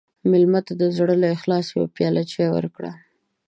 مېلمه ته د زړه له اخلاصه یوه پیاله چای ورکړه.